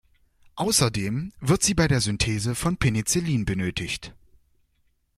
Außerdem wird sie bei der Synthese von Penicillin benötigt.